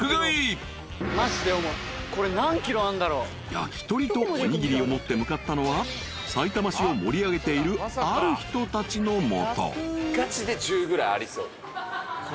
［焼き鳥とおにぎりを持って向かったのはさいたま市を盛り上げているある人たちの元］